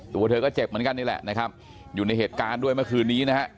ตัวเธอก็เจ็บเหมือนกันนี่แหละนะครับอยู่ในเหตุการณ์ด้วยเมื่อคืนนี้นะฮะ